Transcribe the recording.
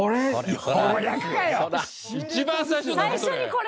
一番最初だろそれ！